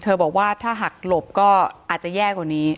บอกว่าถ้าหักหลบก็อาจจะแย่กว่านี้